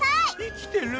生きてる？